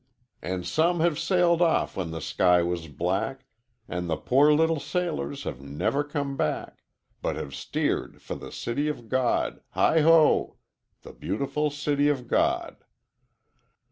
'And some have sailed off when the sky was black, And the poor little sailors have never come back, But have steered for the City of God Heigh ho! The beautiful City of God!"